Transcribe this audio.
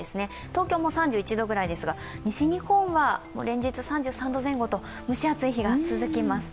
東京も３１度ぐらいですが、西日本は連日３３度前後と蒸し暑い日が続きます。